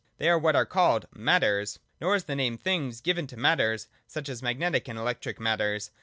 They are what are called Matters. Nor is the name ' things ' given to Matters, such as magnetic and electric matters.